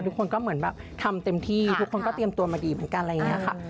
ทุกคนก็เหมือนแบบทำเต็มที่ทุกคนก็เตรียมตัวมาดีเหมือนกันอะไรอย่างนี้ค่ะ